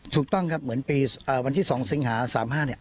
ถูกต้องครับเหมือนปีวันที่๒สิงหา๓๕เนี่ย